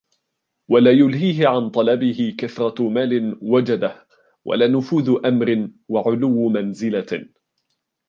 وَلَا يُلْهِيهِ عَنْ طَلَبِهِ كَثْرَةُ مَالٍ وَجَدَهُ وَلَا نُفُوذُ أَمْرٍ وَعُلُوُّ مَنْزِلَةٍ